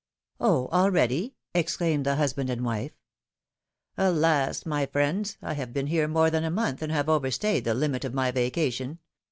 *^Oh! already!" exclaimed the husband and wife. '^Alas! my friends! I have been here more than a month, and have overstayed the limit of my vacation.